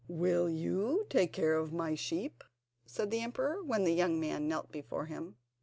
"Will you take care of my sheep?" said the emperor, when the young man knelt before him.